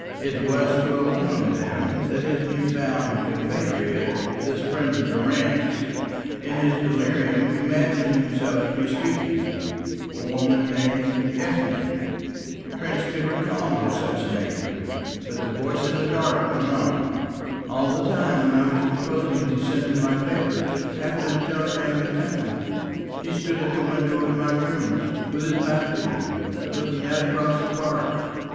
It was to a woman, then, that his new found compatriot, this friend of Durrance, in his delirium imagined himself to be speaking a woman named Ethne. Trench could recall no such name; but the voice in the dark went on. "All the time when I was proposing to send in my papers, after the telegram had come, he stood at the window of my rooms with his back to me, looking out across the park.